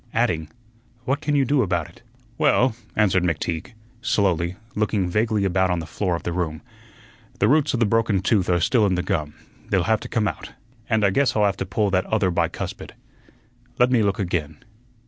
adding, "What can you do about it?" "Well," answered McTeague, slowly, looking vaguely about on the floor of the room, "the roots of the broken tooth are still in the gum; they'll have to come out, and I guess I'll have to pull that other bicuspid. Let me look again.